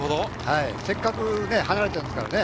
せっかく離れたんですからね。